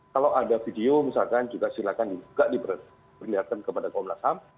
kalau ada video silakan juga diperlihatkan kepada komnas ham